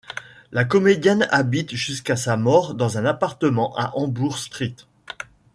La comédienne habite jusqu'à sa mort dans un appartement à Hamburg-St.